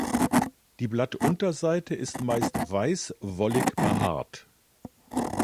Die Blattunterseite ist meist weiß wollig behaart.